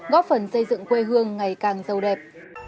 góp phần xây dựng quê hương ngày càng giàu đẹp